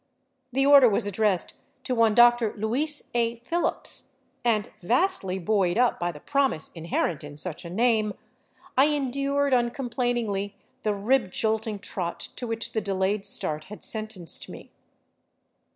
The order was addressed to one Dr. Luis A. Phillips, and vastly buoyed up by the promise inherent in such a name, I endured uncomplainingly the rib jolting trot to which the delayed start had sentenced me.